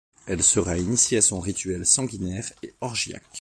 Elle sera initiée à son rituel sanguinaire et orgiaque.